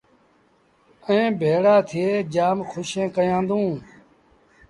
ائيٚݩ ڀيڙآ ٿئي جآم کُوشين ڪيآݩدوݩ